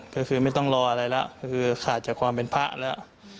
ก็คือไม่ต้องรออะไรแล้วก็คือขาดจากความเป็นพระแล้ว